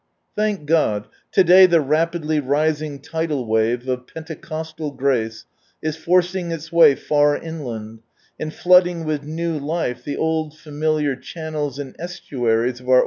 Thank God, to day the rapidly rising tidal wave of Pentecostal grace is forcing its way far inland, and flooding with new life the old familiar channels and estuaries of our